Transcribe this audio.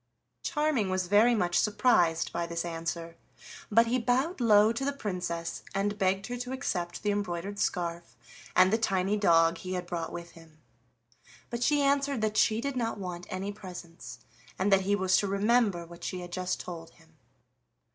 Charming was very much surprised by this answer, but he bowed low to the Princess, and begged her to accept the embroidered scarf and the tiny dog he had brought with him. But she answered that she did not want any presents, and that he was to remember what she had just told him.